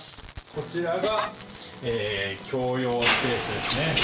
こちらが共用スペースですね。